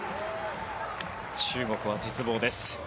中国の鉄棒です。